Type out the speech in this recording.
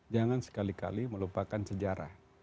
jangan sekali kali melupakan sejarah